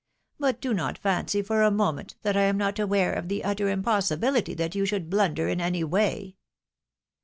But do not fancy for a moment that I am not aware of the utter im possibility that you should blunder in any way."